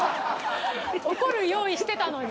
怒る用意してたのに。